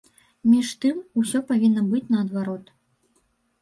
Між тым, усё павінна быць наадварот.